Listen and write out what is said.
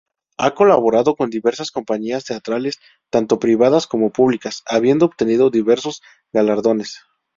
Ha colaborado con diversas compañías teatrales, tanto privadas como públicas, habiendo obtenido diversos galardones.